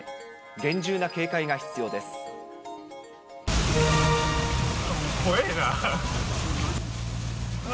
厳重な警戒が必要です。